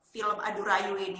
film aduh rayu ini